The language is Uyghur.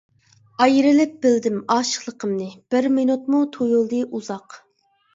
ئايرىلىپ بىلدىم ئاشىقلىقىمنى، بىر مىنۇتمۇ تۇيۇلدى ئۇزاق.